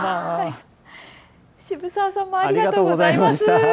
渋沢さんもありがとうございます。